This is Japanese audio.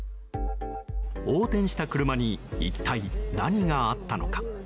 横転した車に一体何があったのか？